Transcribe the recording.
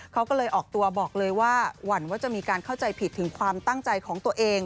เขาก็เลยออกตัวบอกเลยว่าหวั่นว่าจะมีการเข้าใจผิดถึงความตั้งใจของตัวเอง